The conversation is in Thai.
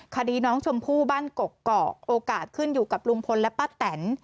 คดีน้องชมพู่บ้านกกอกโอกาสขึ้นอยู่กับลุงพลและป้าแตน